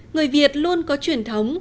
người việt luôn có truyền thống